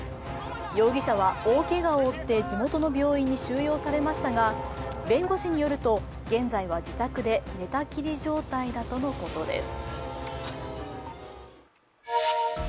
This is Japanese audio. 容疑者は大けがを負って、地元の病院に収容されましたが弁護士によると、現在は自宅で寝たきり状態だとのことです。